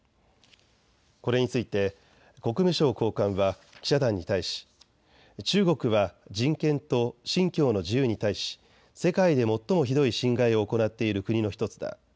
これについて国務省高官は記者団に対し、中国は人権と信教の自由に対し世界で最もひどい侵害を行っている国の１つだ。